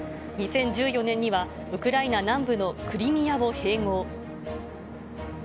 ２０１４年には、ウクライナ南部のクリミアを併合。